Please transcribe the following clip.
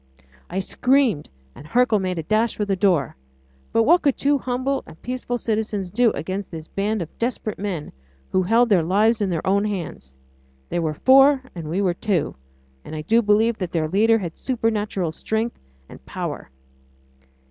I screamed, and Hercule made a dash for the door; but what could two humble and peaceful citizens do against this band of desperate men, who held their lives in their own hands? They were four and we were two, and I do believe that their leader has supernatural strength and power.